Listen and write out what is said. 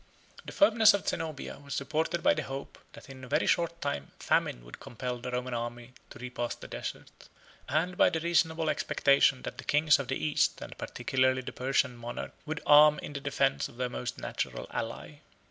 p. 218.] The firmness of Zenobia was supported by the hope, that in a very short time famine would compel the Roman army to repass the desert; and by the reasonable expectation that the kings of the East, and particularly the Persian monarch, would arm in the defence of their most natural ally.